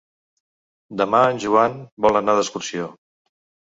Demà en Joan vol anar d'excursió.